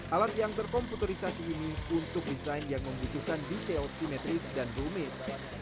alat yang terkomputerisasi ini untuk desain yang membutuhkan detail simetris dan rumit